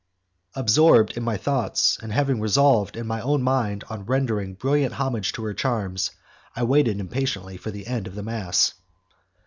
Absorbed in my thoughts, and having resolved in my own mind on rendering brilliant homage to her charms, I waited impatiently for the end of the mass.